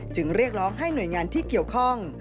เรียกร้องให้หน่วยงานที่เกี่ยวข้อง